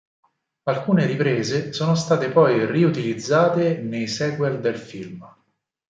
Alcune riprese sono state poi riutilizzate nei sequel del film.